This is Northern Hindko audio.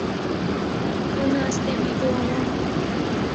انہاں اسطے بھی دعاواں۔